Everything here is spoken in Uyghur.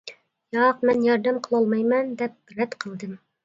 -ياق مەن ياردەم قىلالمايمەن، دەپ رەت قىلدىم.